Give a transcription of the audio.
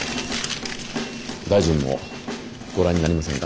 大臣もご覧になりませんか？